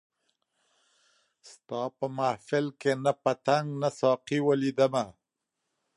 ستا په محفل کي نه پتنګ نه ساقي ولیدمه